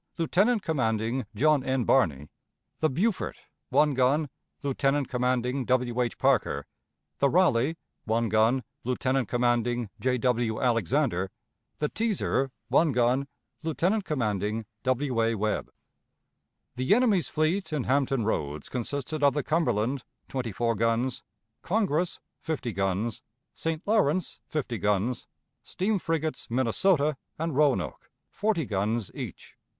Lieutenant commanding John N. Barney; the Beaufort, one gun, Lieutenant commanding W. H. Parker; the Raleigh, one gun, Lieutenant commanding J. W. Alexander; the Teaser, one gun, Lieutenant commanding W. A. Webb. The enemy's fleet in Hampton Roads consisted of the Cumberland, twenty four guns; Congress, fifty guns; St. Lawrence, fifty guns; steam frigates Minnesota and Roanoke, forty guns each.